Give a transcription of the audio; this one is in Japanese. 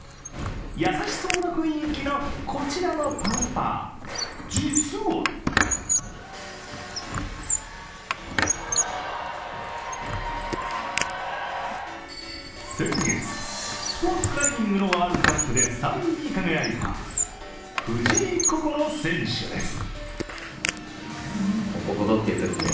優しそうな雰囲気のこちらのパパ実は先月、スポーツクライミングのワールドカップで３位に輝いた藤井快選手です。